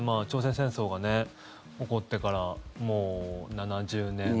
朝鮮戦争が起こってからもう７０年